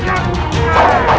ketika kanda menang kanda menang